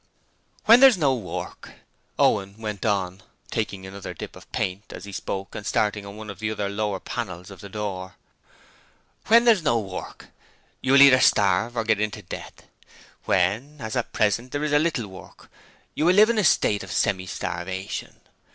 'When there's no work,' Owen went on, taking another dip of paint as he spoke and starting on one of the lower panels of the door, 'when there's no work, you will either starve or get into debt. When as at present there is a little work, you will live in a state of semi starvation.